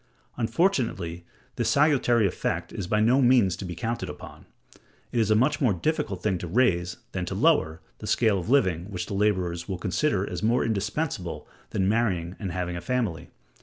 Unfortunately this salutary effect is by no means to be counted upon: it is a much more difficult thing to raise, than to lower, the scale of living which the laborers will consider as more indispensable than marrying and having a family.